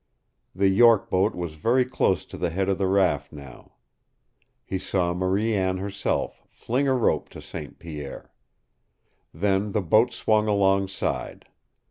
The York boat was very close to the head of the raft now. He saw Marie Anne herself fling a rope to St. Pierre. Then the boat swung alongside.